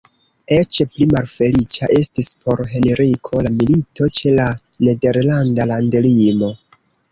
Eĉ pli malfeliĉa estis por Henriko la milito ĉe la nederlanda landlimo.